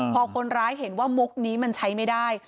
พอคนร้ายเห็นว่ามุกนี้มันใช้ไม่ได้